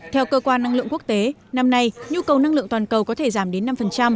theo cơ quan năng lượng quốc tế năm nay nhu cầu năng lượng toàn cầu có thể giảm đến năm